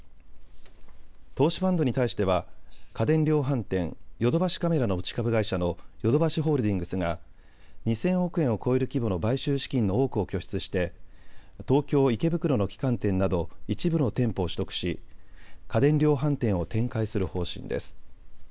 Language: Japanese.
投資ファンドに対しては家電量販店、ヨドバシカメラの持ち株会社のヨドバシホールディングスが２０００億円を超える規模の買収資金の多くを拠出して東京池袋の旗艦店など一部の店舗を取得し家電量販店を展開する方針です。